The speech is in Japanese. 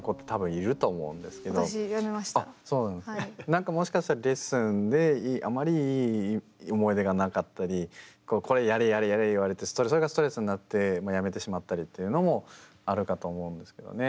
なんかもしかしたらレッスンであまりいい思い出がなかったりこれやれやれやれ言われてそれがストレスになってやめてしまったりっていうのもあるかと思うんですけどね。